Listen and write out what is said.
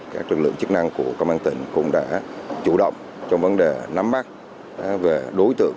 các lực lượng chức năng của công an tỉnh cũng đã chủ động trong vấn đề nắm bắt về đối tượng